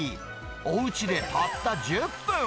おうちでたった１０分。